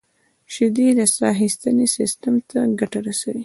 • شیدې د ساه اخیستنې سیستم ته ګټه رسوي.